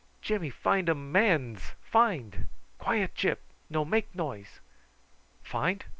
"Jimmy find um mans, find. Quiet, Gyp; no make noise." "Find?